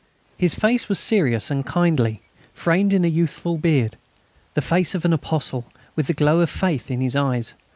His face was serious and kindly, framed in a youthful beard the face of an apostle, with the glow of faith in his eyes.